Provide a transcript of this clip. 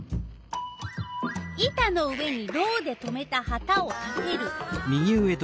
板の上にロウでとめたはたを立てる。